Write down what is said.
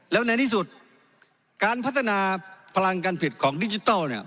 แล้วในที่สุดการพัฒนาพลังการผิดของดิจิทัลเนี่ย